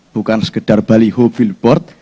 bukan sekedar baliho filport